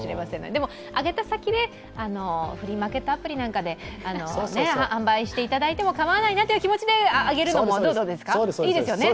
でも、あげた先でフリーマーケットアプリなんかで販売しても構わないなという気持ちであげるのもいいですよね？